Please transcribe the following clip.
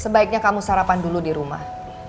sebaiknya kamu sarapan dulu di rumah